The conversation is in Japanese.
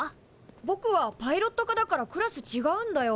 ぼくはパイロット科だからクラスちがうんだよ。